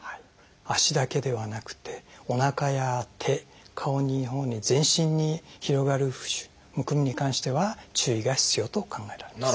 足だけではなくておなかや手顔に全身に広がる浮腫むくみに関しては注意が必要と考えられます。